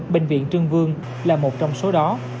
bệnh viện trương vương là một trong số đó